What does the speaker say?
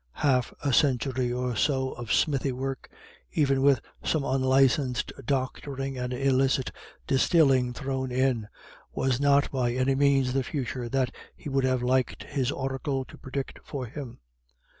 Half a century or so of smithy work, even with some unlicensed doctoring and illicit distilling thrown in, was not by any means the future that he would have liked his oracle to predict for him.